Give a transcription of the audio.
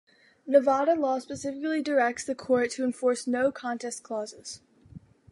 Nevada law specifically directs the court to enforce no-contest clauses.